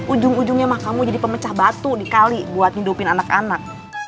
ujung ujungnya emang kamu jadi pemecah batu di kali buat nyudupin anak anak